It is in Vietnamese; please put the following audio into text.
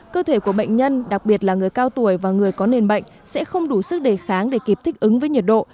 cơ thể của bệnh nhân đặc biệt là người cao tuổi và người có nền bệnh sẽ không đủ sức đề kháng để kịp thích ứng với nhiệt độ